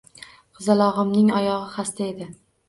Qizalog`imning oyog`i xasta edi